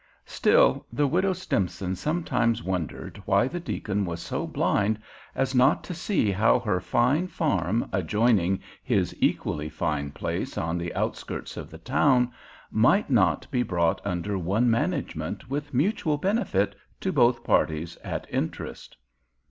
Still, the Widow Stimson sometimes wondered why the deacon was so blind as not to see how her fine farm adjoining his equally fine place on the outskirts of the town might not be brought under one management with mutual benefit to both parties at interest.